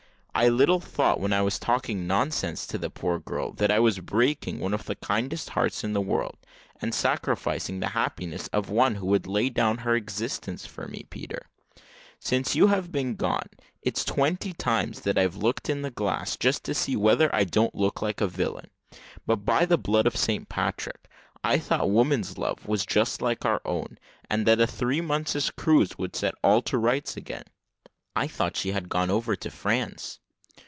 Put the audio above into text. I little thought when I was talking nonsense to that poor girl, that I was breaking one of the kindest hearts in the world, and sacrificing the happiness of one who would lay down her existence for me, Peter. Since you have been gone, it's twenty times that I've looked in the glass just to see whether I don't look like a villain. But by the blood of St. Patrick! I thought woman's love was just like our own, and that a three months' cruise would set all to rights again." "I thought she had gone over to France."